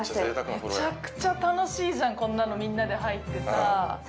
めちゃくちゃ楽しいじゃん、こんなのみんなで入ってさ。